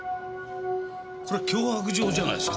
これ脅迫状じゃないですか。